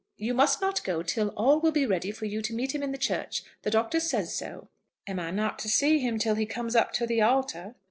You must not go till all will be ready for you to meet him in the church. The Doctor says so." "Am I not to see him till he comes up to the altar?"